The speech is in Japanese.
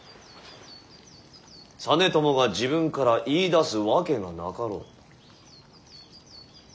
実朝が自分から言いだすわけがなかろう。